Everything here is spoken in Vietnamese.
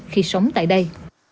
khi sống tại đây